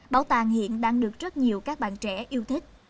bảo tàng hiện đang được rất nhiều các bạn trẻ yêu thích